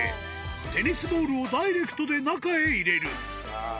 テニスボールをダイレクトで中へ入れる。